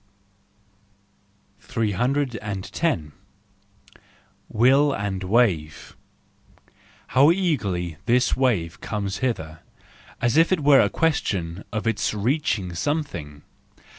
" 310. Will and Wave ,—How eagerly this wave comes hither, as if it were a question of its reaching some¬ thing